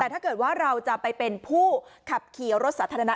แต่ถ้าเกิดว่าเราจะไปเป็นผู้ขับขี่รถสาธารณะ